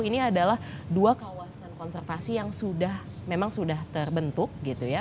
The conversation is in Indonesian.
ini adalah dua kawasan konservasi yang memang sudah terbentuk gitu ya